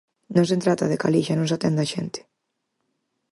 Non se trata de que alí xa non se atenda á xente.